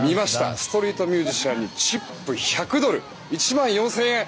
ストリートミュージシャンにチップ１００ドル１万４０００円！